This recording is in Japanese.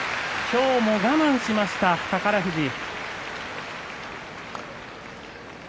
今日も我慢しました、宝富士。